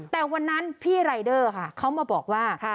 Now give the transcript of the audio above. แต่วันนั้นพี่รายเดอร์ค่ะเขามาบอกว่า